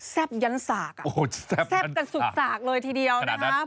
ยันสากแซ่บกันสุดสากเลยทีเดียวนะครับ